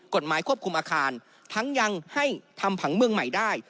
กฎหมายควบคุมอาคารทั้งยังให้ทำผังเมืองใหม่ได้